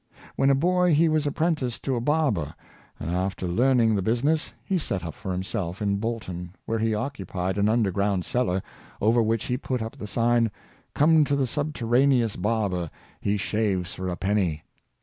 When a boy he was apprenticed to a barber, and after learning the business, he set up for himself in Bolton, where he occupied an underground cellar, over which he put up the sign, " Come to the subterraneous barber — he shaves for a penny."